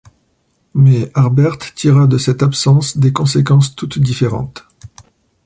Mais Harbert tira de cette absence des conséquences toutes différentes